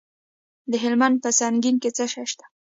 د هلمند په سنګین کې څه شی شته؟